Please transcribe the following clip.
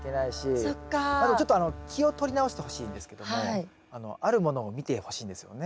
ちょっと気を取り直してほしいんですけどもあるものを見てほしいんですよね。